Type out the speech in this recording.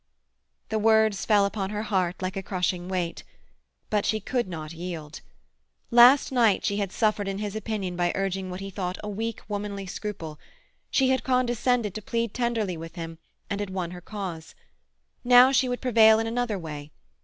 The words fell upon her heart like a crushing weight. But she could not yield. Last night she had suffered in his opinion by urging what he thought a weak, womanly scruple; she had condescended to plead tenderly with him, and had won her cause. Now she would prevail in another way.